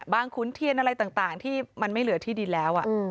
ขุนเทียนอะไรต่างที่มันไม่เหลือที่ดินแล้ว